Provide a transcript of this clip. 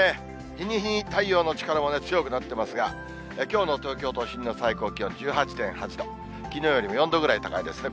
日に日に太陽の力もね、強くなってますが、きょうの東京都心の最高気温１８．８度、きのうよりも４度ぐらい高いですね。